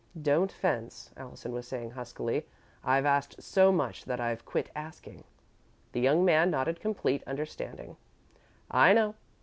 "Don't fence," Allison was saying, huskily. "I've asked so much that I've quit asking." The young man nodded complete understanding. "I know.